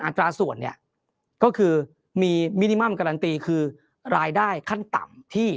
ตราส่วนเนี่ยก็คือมีมินิมัมการันตีคือรายได้ขั้นต่ำที่